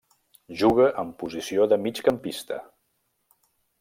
Juga en la posició de migcampista.